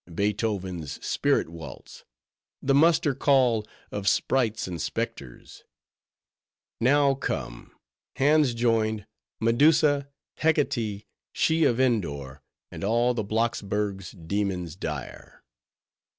—Beethoven's Spirit Waltz! the muster call of sprites and specters. Now come, hands joined, Medusa, Hecate, she of Endor, and all the Blocksberg's, demons dire.